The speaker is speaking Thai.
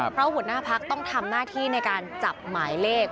เพราะหัวหน้าพักต้องทำหน้าที่ในการจับหมายเลข